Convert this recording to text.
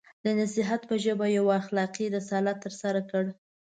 د نصیحت په ژبه یو اخلاقي رسالت ترسره کړ.